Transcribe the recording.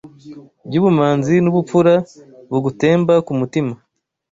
By'ubumanzi n'ubupfura Bugutemba ku mutima